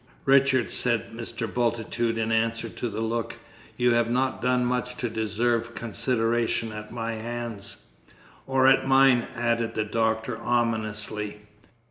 "Richard," said Mr. Bultitude, in answer to the look, "you have not done much to deserve consideration at my hands." "Or at mine!" added the Doctor ominously.